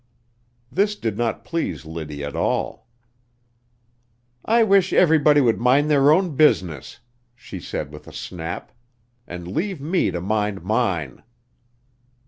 This did not please Liddy at all. "I wish everybody would mind their own business," she said with a snap, "and leave me to mind mine."